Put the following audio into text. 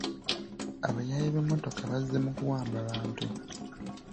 Abayaaye b'emmotoka bazze mu kuwamba bantu.